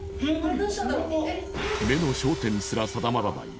目の焦点すら定まらない